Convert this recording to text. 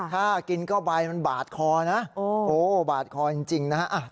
ถ้ากินก็ใบมันบาดคอนะโอ้บาดคอจริงนะฮะ